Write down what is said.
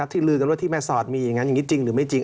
ลือกันว่าที่แม่สอดมีอย่างนั้นอย่างนี้จริงหรือไม่จริง